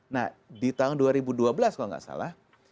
nah di tahun dua ribu dua belas kalau nggak salah